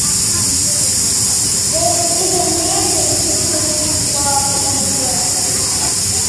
This is a near miss to Prout's law being correct.